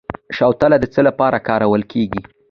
شوتله د څه لپاره کرل کیږي؟